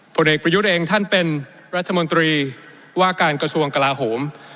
ผลเอกประยุทธ์เองท่านเป็นรัฐมนตรีว่าการกระทรวงกลาโหม